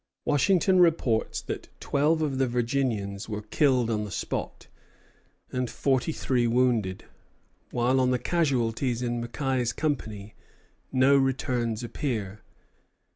Washington reports that twelve of the Virginians were killed on the spot, and forty three wounded, while on the casualties in Mackay's company no returns appear.